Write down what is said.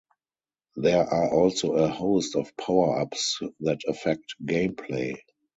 There are also a host of power-ups that affect gameplay.